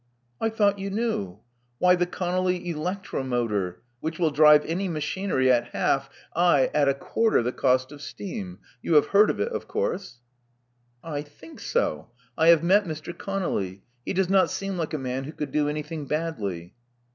"I thought you knew. Why, the Conolly electro motor, which will drive any machinery at half — aye, Love Among the Artists 277 at a quarter the cost of steam. You have heard of it, of course.'* I think so. I have met Mr. Conolly. He does not seem like a man who could do anything badly."